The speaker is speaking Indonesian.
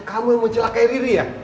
kamu yang menjelakai riri ya